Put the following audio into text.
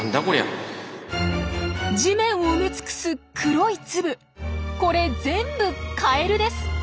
地面を埋め尽くす黒い粒これ全部カエルです！